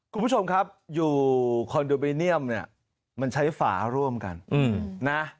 คุณผู้ชมครับอยู่คอนโดไบเนียมใช้ฝาร่วมกัน